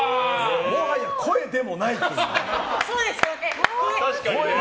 もはや声でもないという。